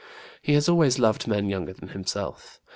He has always loved men younger than himself.